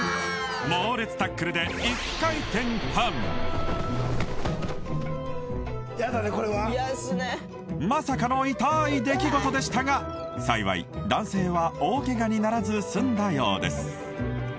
猛烈タックルで１回転半まさかの痛い出来事でしたが幸い男性は大ケガにならず済んだようです